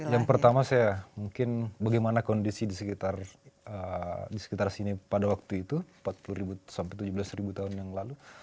yang pertama saya mungkin bagaimana kondisi di sekitar sini pada waktu itu empat puluh sampai tujuh belas ribu tahun yang lalu